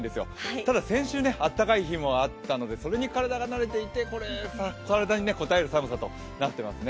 ただ先週、暖かい日もあったのでそれに体が慣れていて体にこたえる寒さとなっていますね。